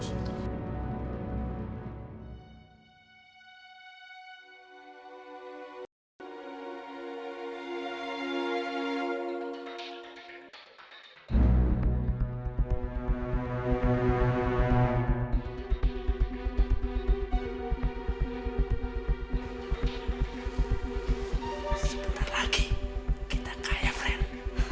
sebentar lagi kita kaya friend